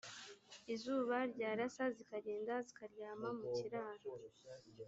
izuba ryarasa zikagenda zikaryama mu kiraro